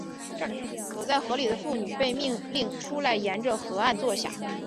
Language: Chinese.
躲在河里的妇女被命令出来沿着河岸坐下。